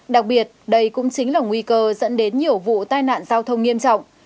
đặc biệt đây cũng chính là nguy cơ dẫn đến nhiều vụ tai nạn giao thông nghiêm trọng